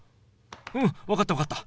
うん分かった分かった。